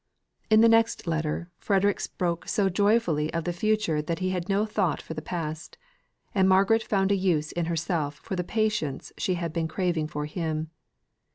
In the next letter Frederick spoke so joyfully of the future that he had no thought for the past; and Margaret found a use in herself for the patience she had been craving for him.